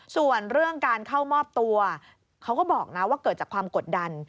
ส่วนเรื่องการเข้ามอบตัวเขาก็บอกนะว่าเกิดจากความกดดัน